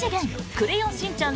クレヨンしんちゃん